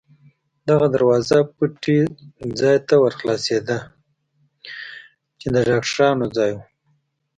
دغه دروازه پټۍ ځای ته ور خلاصېده، چې د ډاکټرانو ځای و.